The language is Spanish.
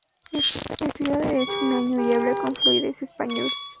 Estudió derecho un año; y habla con fluidez español.